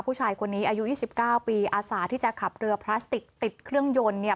ผู้ชายคนนี้อายุ๒๙ปีอาสาที่จะขับเรือพลาสติกติดเครื่องยนต์เนี่ย